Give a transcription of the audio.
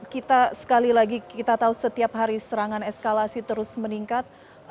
kita sekali lagi kita tahu setiap hari serangan eskalasi terus meningkat